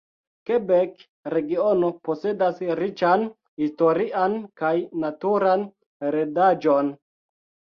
Kebek-regiono posedas riĉan historian kaj naturan heredaĵon.